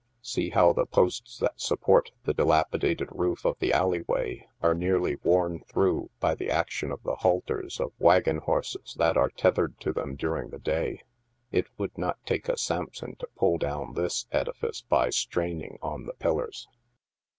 See how the posts that support the dilapi dated roof of the alleyway arc nearly worn through by the action of the halters of wagon horses that are tethered to them during the day. It would not take a Sampson to pull down this edifice by straining on the pillars